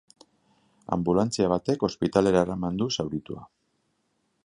Anbulantzia batek ospitalera eraman du zauritua.